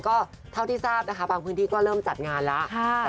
ก็เท่าที่ทราบนะคะบางพื้นที่ก็เริ่มจัดงานแล้ว